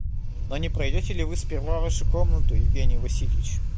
Но не пройдете ли вы сперва в вашу комнату, Евгений Васильич?